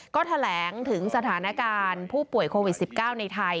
ก็แถลงถึงสถานการณ์ผู้ป่วยโควิด๑๙ในไทย